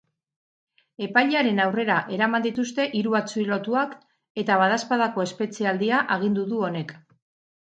Epailearen aurrera eraman dituzte hiru atxilotuak eta badaezpadako espetxealdia agindu du honek.